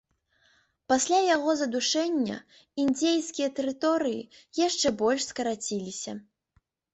Пасля яго задушэння індзейскія тэрыторыі яшчэ больш скараціліся.